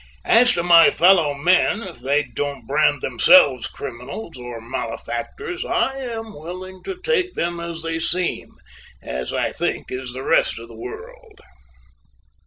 As to my fellow men, if they don't brand themselves criminals or malefactors, I am willing to take them as they seem, as I think is the rest of the world."